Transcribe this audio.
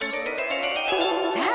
さあ